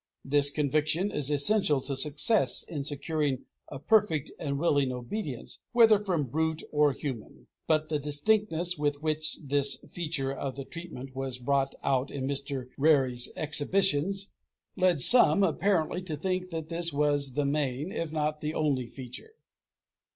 This conviction is essential to success in securing a perfect and willing obedience, whether from brute or human. But the distinctness with which this feature of the treatment was brought out in Mr. Rarey's exhibitions, led some apparently to think that this was the main, if not the only feature.